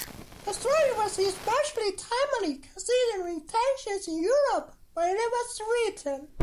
The story was especially timely, considering the tensions in Europe when it was written.